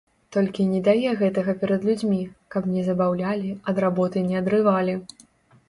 Толькі не дае гэтага перад людзьмі, каб не забаўлялі, ад работы не адрывалі.